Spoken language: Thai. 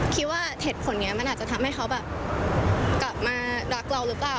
คิดว่าเหตุผลนี้มันอาจจะทำให้เขาแบบกลับมารักเราหรือเปล่า